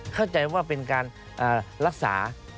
เข้าใจว่าเป็นการรักษา